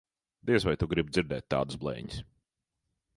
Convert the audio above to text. Diez vai tu gribi dzirdēt tādas blēņas.